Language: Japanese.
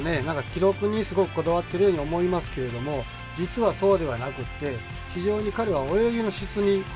記録にすごくこだわっているように思いますけれども実はそうではなくて非常に彼は泳ぎの質にこだわっていると思います。